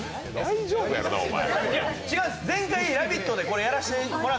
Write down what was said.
大丈夫やろうな、お前。